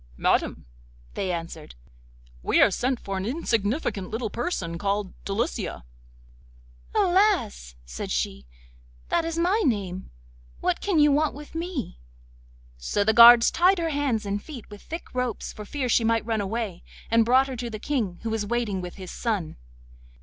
'Madam,' they answered, 'we are sent for an insignificant little person called Delicia.' 'Alas!' said she, 'that is my name. What can you want with me?' So the guards tied her hands and feet with thick ropes, for fear she might run away, and brought her to the King, who was waiting with his son.